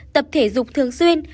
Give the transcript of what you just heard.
một mươi một tập thể dục thường xuyên